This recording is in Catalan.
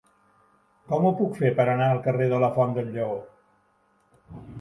Com ho puc fer per anar al carrer de la Font del Lleó?